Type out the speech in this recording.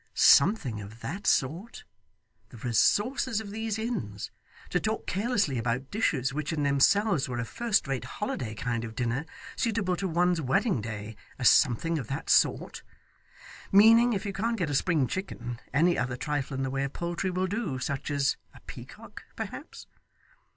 Something of that sort! The resources of these inns! To talk carelessly about dishes, which in themselves were a first rate holiday kind of dinner, suitable to one's wedding day, as something of that sort: meaning, if you can't get a spring chicken, any other trifle in the way of poultry will do such as a peacock, perhaps!